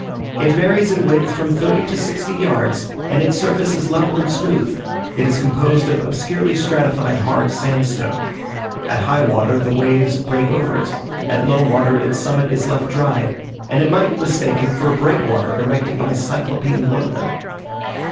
It varies in width from thirty to sixty yards, and its surface is level and smooth; it is composed of obscurely stratified hard sandstone. At high water the waves break over it; at low water its summit is left dry, and it might then be mistaken for a breakwater erected by Cyclopean workmen.